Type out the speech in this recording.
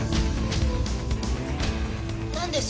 なんです？